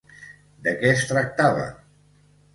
De què es tractava?